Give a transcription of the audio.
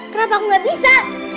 kenapa aku gak bisa